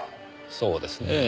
そうですねぇ。